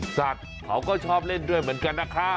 สัตว์เขาก็ชอบเล่นด้วยเหมือนกันนะคะ